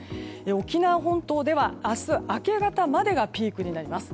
沖縄本島では明日明け方までがピークになります。